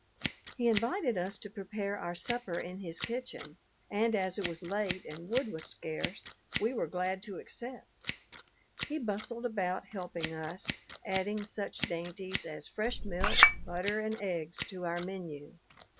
He invited us to prepare our supper in his kitchen, and as it was late and wood was scarce, we were glad to accept. He bustled about helping us, adding such dainties as fresh milk, butter, and eggs to our menu.